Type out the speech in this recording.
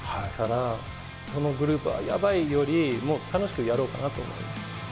このグループはヤバいより、もう楽しくやろうかなと思います。